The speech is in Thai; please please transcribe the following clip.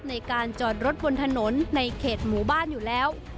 ในการจอดรถบนถนนในเขตหมู่บ้านอยู่แล้ว